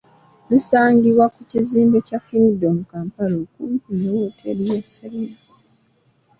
Lisangibwa ku kizimbe kya Kingdom Kampala okumpi ne wooteeri ya Sserena.